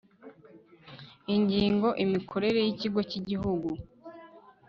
Ingingo Imikorere y Ikigo cy Igihugu